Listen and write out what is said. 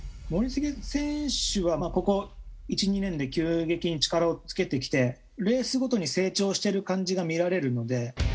森重選手は、ここ１、２年で急激に力をつけてきて、レースごとに成長してる感じが見られるので。